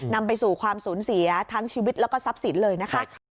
นำไปสู่ความสูญเสียทั้งชีวิตแล้วก็ทรัพย์สินเลยนะคะ